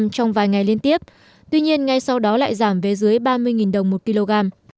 trong vài ngày liên tiếp tuy nhiên ngay sau đó lại giảm về dưới ba mươi đồng một kg